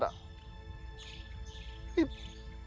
ระวัง